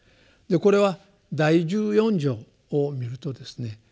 これは第十四条を見るとですね